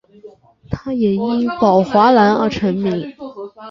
他也因宝华蓝而成名。